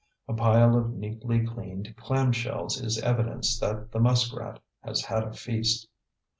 A pile of neatly cleaned clam shells is evidence that the muskrat has had a feast.